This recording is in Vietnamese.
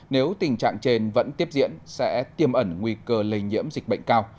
nếu tình trạng trên vẫn tiếp diễn sẽ tiêm ẩn nguy cơ lây nhiễm dịch bệnh cao